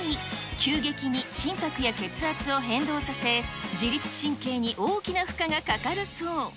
急激に心拍や血圧を変動させ、自律神経に大きな負荷がかかるそう。